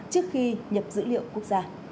trước khi nhập dữ liệu quốc gia